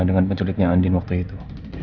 dengan penculiknya andin waktu itu